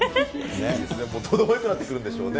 どうでもよくなってくるんでしょうね。